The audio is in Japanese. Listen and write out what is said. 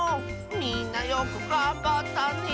みんなよくがんばったね。